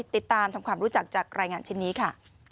ติดตามทำความรู้จักจากรายงานชิ้นนี้ค่ะ